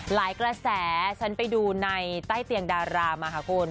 กระแสฉันไปดูในใต้เตียงดารามาค่ะคุณ